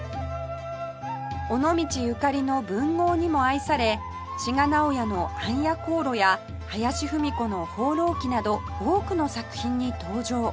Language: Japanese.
尾道ゆかりの文豪にも愛され志賀直哉の『暗夜行路』や林芙美子の『放浪記』など多くの作品に登場